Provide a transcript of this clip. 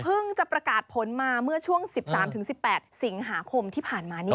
จะประกาศผลมาเมื่อช่วง๑๓๑๘สิงหาคมที่ผ่านมานี่